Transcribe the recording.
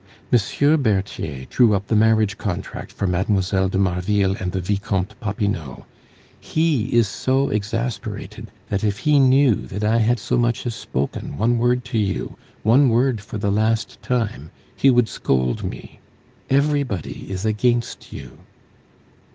M. Berthier drew up the marriage contract for Mlle. de Marville and the Vicomte Popinot; he is so exasperated, that if he knew that I had so much as spoken one word to you, one word for the last time, he would scold me. Everybody is against you."